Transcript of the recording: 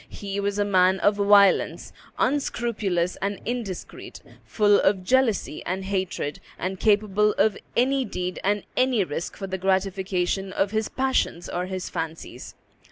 He was a man of violence, unscrupulous and indiscreet, full of jealousy and hatred, and capable of any deed and any risk for the gratification of his passions or his fancies.